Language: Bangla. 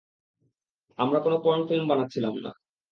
আমরা কোন পর্ণফিল্ম বানাচ্ছিলাম না।